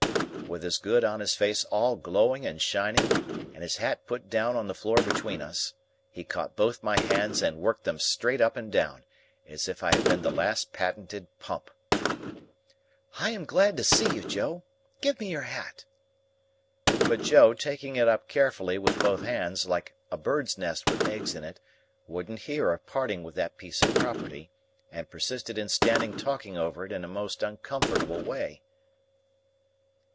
With his good honest face all glowing and shining, and his hat put down on the floor between us, he caught both my hands and worked them straight up and down, as if I had been the last patented Pump. "I am glad to see you, Joe. Give me your hat." But Joe, taking it up carefully with both hands, like a bird's nest with eggs in it, wouldn't hear of parting with that piece of property, and persisted in standing talking over it in a most uncomfortable way.